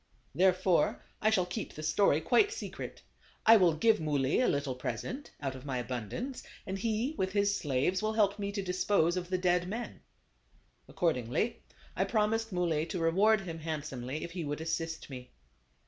Therefore, I shall keep the story quite secret. I will give Muley a little present, out of my abundance, and he, with his slaves, will help me to dispose of the dead men." Accordingly, I promised Muley to reward him handsomely if he would assist me.